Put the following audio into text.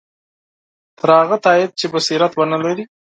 تر هغه تایید چې بصیرت ونه لري.